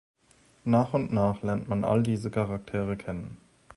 Nach und nach lernt man all diese Charaktere kennen.